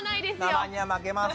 ママには負けます。